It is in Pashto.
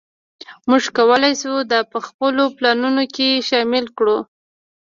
موږ کولی شو دا په خپلو پلانونو کې شامل کړو